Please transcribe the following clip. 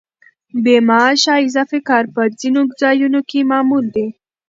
بې معاشه اضافي کار په ځینو ځایونو کې معمول دی.